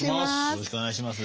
よろしくお願いします。